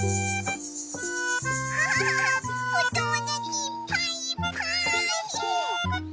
キャハハハおともだちいっぱいいっぱい！